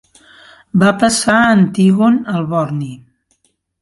Va passar a Antígon el borni.